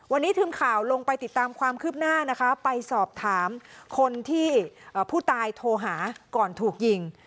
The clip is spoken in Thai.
วันนี้ทีมข่าวลงไปติดตามความคืบหน้านะคะไปสอบถามคนที่ผู้ตายโทรหาก่อนถูกยิง